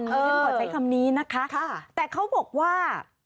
ฉันขอใช้คำนี้นะคะแต่เขาบอกว่า